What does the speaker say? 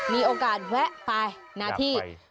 มีโอกาสแวะไปนะที่